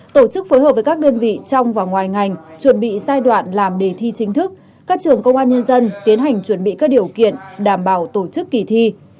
tổ chức phối hợp với các đơn vị trong và ngoài ngành chuẩn bị giai đoạn làm đề thi chính thức các trường công an nhân dân tiến hành chuẩn bị các điều kiện đảm bảo tổ chức kỳ thi